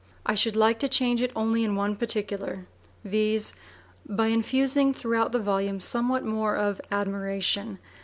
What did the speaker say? I should like to change it only in one particular, viz.: by infusing throughout the volume somewhat more of admiration.